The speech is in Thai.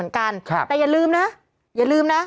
พี่ขับรถไปเจอแบบ